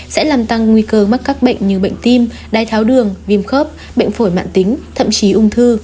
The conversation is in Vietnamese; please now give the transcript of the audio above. sẽ làm tăng nguy cơ mắc các bệnh như bệnh tim đai tháo đường viêm khớp bệnh phổi mạng tính thậm chí ung thư